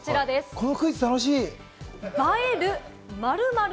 このクイズ楽しい！